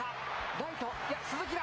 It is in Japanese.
ライト、いや、鈴木だ。